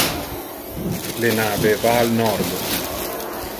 Le nave va al nord.